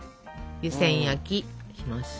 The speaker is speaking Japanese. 湯せん焼きします。